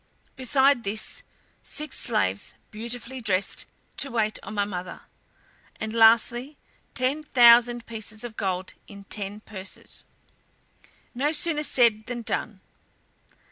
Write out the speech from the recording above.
Besides this, six slaves, beautifully dressed, to wait on my mother; and lastly, ten thousand pieces of gold in ten purses." No sooner said then done.